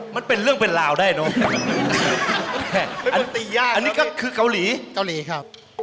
มันเป็นเรื่องเป็นลาวได้เนาะ